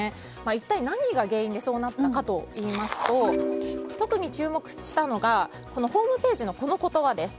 一体、何が原因でそうなったかといいますと特に注目したのがホームページのこの言葉です。